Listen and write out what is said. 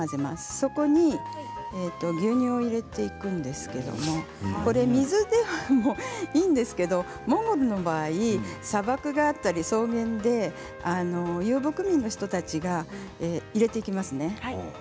そこに牛乳を入れていくんですけれども水でもいいですけどモンゴルの場合砂漠があったり草原で遊牧民の人たちが入れていきますね